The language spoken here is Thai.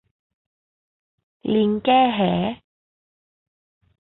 ลิงแก้แห